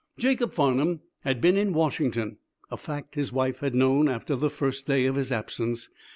Jacob Farnum had been in Washington, a fact his wife had known after the first day of his absence.